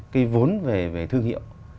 cái vốn về thương hiệu